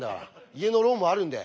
家のローンもあるんで。